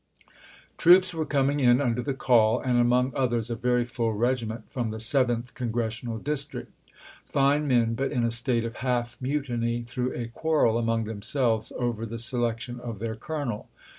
Troops were coming in under the call, and among others a very full regiment from the Seventh Con gressional District ;^ fine men, but in a state of half mutiny through a quarrel among themselves over the selection of their colonel.